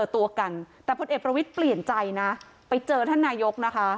ตัวกันแต่พลเอกประวิทย์เปลี่ยนใจนะไปเจอท่านนายกนะคะ